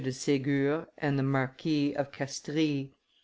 de Segur and the Marquis of Castries.